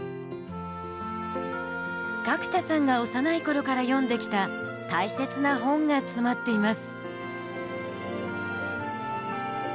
角田さんが幼い頃から読んできた大切な本が詰まっています。